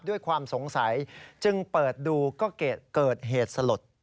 ด้วยความสงสัยจึงเปิดดูก็เกิดเหตุสลด